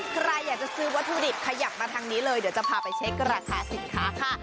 ใครอยากจะซื้อวัตถุดิบขยับมาทางนี้เลยเดี๋ยวจะพาไปเช็คราคาสินค้าค่ะ